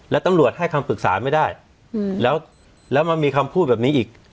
แล้วตำรวจให้คำปรึกษาไม่ได้แล้วมันมีคำพูดแบบนี้อีก